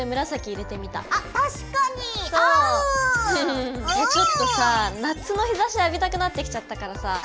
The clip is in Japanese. いやあちょっとさあ夏の日ざし浴びたくなってきちゃったからさあ。